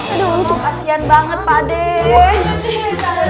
aduh kasihan banget pak deh